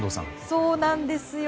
そうなんですよ。